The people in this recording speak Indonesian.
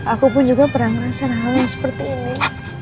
aku pun juga pernah merasa rana seperti ini